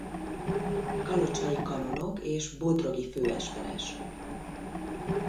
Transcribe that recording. Kalocsai kanonok és bodrogi főesperes.